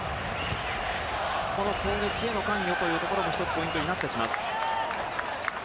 この攻撃への関与も１つポイントになってきます。